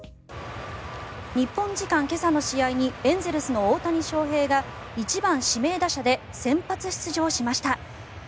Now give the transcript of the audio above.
日本時間今朝の試合にエンゼルスの大谷翔平が１番指名打者で先発出場しました。